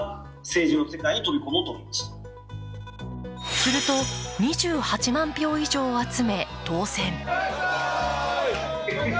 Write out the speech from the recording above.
すると２８万票以上を集め当選。